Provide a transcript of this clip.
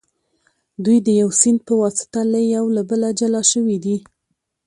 دوی د یو سیند په واسطه له یو بله جلا شوي دي.